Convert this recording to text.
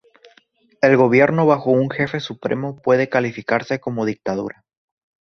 El gobierno bajo un Jefe Supremo puede calificarse como dictadura.